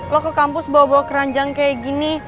lo ke kampus bawa bawa keranjang kayak gini